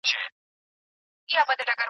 استازی باید صادق او امانت دار وي.